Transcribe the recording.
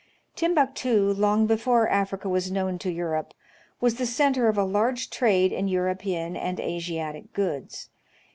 Timbuctu, long before Africa was known to Europe, was the centre of a large trade in European and Asiatic goods.